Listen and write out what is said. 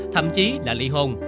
thậm chí là lị hôn